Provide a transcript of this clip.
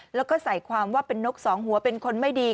แล้วก็ใส่ความว่าเป็นนกสองหัวเป็นคนไม่ดี